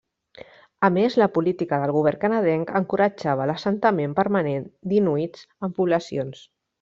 A més la política del govern canadenc encoratjava l'assentament permanent d'inuits en poblacions.